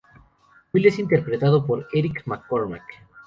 Will es interpretado por Eric McCormack.